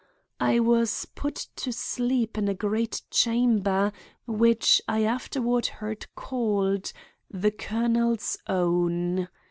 "I was put to sleep in a great chamber which I afterward heard called 'The Colonel's Own.